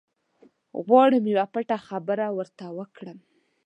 غواړم یوه پټه خبره ورته وکړم.